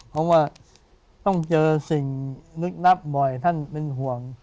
เพราะว่าต้องเจอสิ่งลึกลับบ่อยท่านเป็นห่วง